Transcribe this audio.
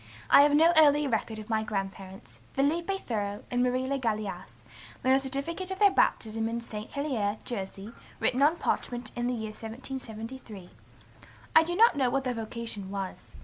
I have no earlier record of my grandparents, Philippe Thoreau and Marie Le Gallais, than a certificate of their baptism in St. Helier, Jersey, written on parchment in the year 1773. I do not know what their vocation was.